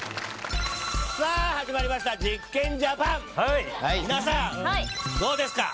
さあ始まりました「実験ジャパン」皆さんどうですか？